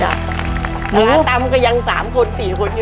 ตราตำก็ยัง๓คน๔คน